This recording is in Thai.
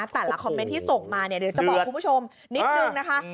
แต่ละคอมเมนต์ที่ส่งมาเดี๋ยวจะบอกคุณผู้ชมนิดนึงนะคะ